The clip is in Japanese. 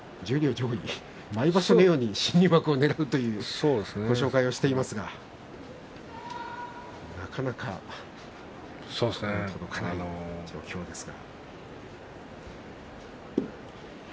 毎場所のように新入幕をねらうという紹介をしていますがなかなか届かないですね。